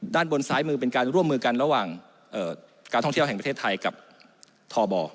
ด้านบนซ้ายมือเป็นการร่วมมือกันระหว่างการท่องเที่ยวแห่งประเทศไทยกับทบ